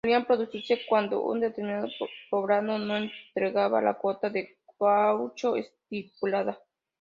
Solían producirse cuando un determinado poblado no entregaba la cuota de caucho estipulada.